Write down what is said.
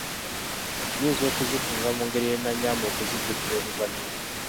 Nnyinza okuzifunza mu ngeri enannyamba okuzijjukira oluvannyuma?